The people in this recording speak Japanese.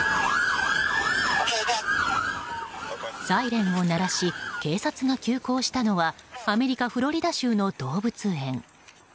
サイレンを鳴らし警察が急行したのはアメリカ・フロリダ州の動物園。